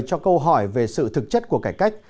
cho câu hỏi về sự thực chất của cải cách